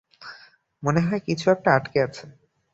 মনে হয় কিছু একটা আটকে আছে